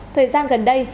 thời gian gần đây